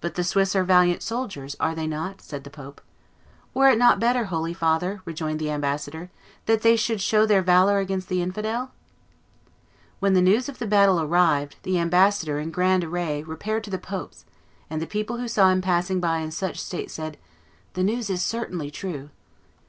"But the Swiss are valiant soldiers, are they not?" said the pope. "Were it not better, holy father," rejoined the ambassador, "that they should show their valor against the infidel?" When the news of the battle arrived, the ambassador, in grand array, repaired to the pope's; and the people who saw him passing by in such state said, "The news is certainly true."